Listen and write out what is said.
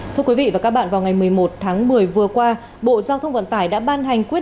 thưa quý vị và các bạn vào ngày một mươi một tháng một mươi vừa qua bộ giao thông vận tải đã ban hành quyết định